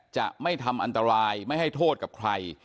จะไม่ทำอันตรายไม่ให้โทษกับใคร